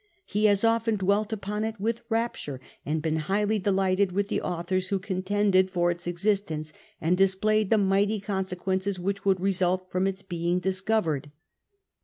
Ho has often dwelt upon it with rapture, and been highly delighted with tlic authors who contended for its existence, and displayed the mighty consequences which would result from its being discovered.